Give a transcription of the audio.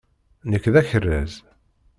Nekk d akerraz.